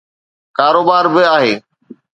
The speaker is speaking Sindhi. ڪاروبار به آهي.